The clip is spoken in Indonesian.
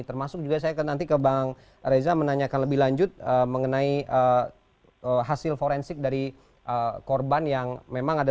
termasuk juga saya akan nanti ke bang reza menanyakan lebih lanjut mengenai hasil forensik dari korban yang memang ada